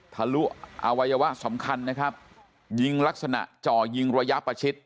ทะลุอวัยวะสำคัญนะครับยิงลักษณะจ่อยิงระยะประชิด